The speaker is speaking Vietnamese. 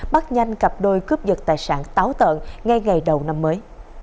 bắt nhanh cặp đôi cướp dật tài sản táo tợn ngay ngày đầu năm mới